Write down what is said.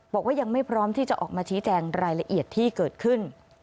บอกว่ายังไม่พร้อมที่จะออกมาชี้แจงรายละเอียดที่เกิดขึ้น